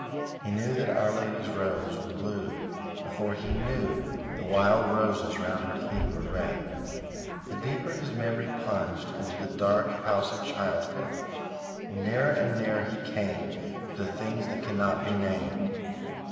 He knew that Our Lady's robes were blue before he knew the wild roses round her feet were red. The deeper his memory plunged into the dark house of childhood the nearer and nearer he came to the things that cannot be named.